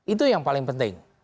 itu yang paling penting